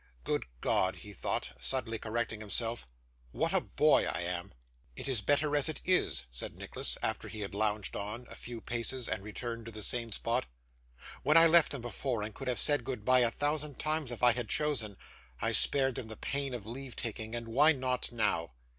'Good God!' he thought, suddenly correcting himself, 'what a boy I am!' 'It is better as it is,' said Nicholas, after he had lounged on, a few paces, and returned to the same spot. 'When I left them before, and could have said goodbye a thousand times if I had chosen, I spared them the pain of leave taking, and why not now?